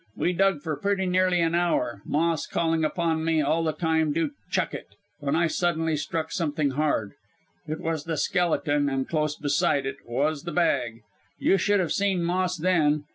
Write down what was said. We dug for pretty nearly an hour, Moss calling upon me all the time to 'chuck it,' when I suddenly struck something hard it was the skeleton and close beside it, was the bag. You should have seen Moss then.